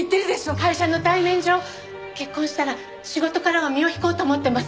会社の体面上結婚したら仕事からは身を引こうと思ってます。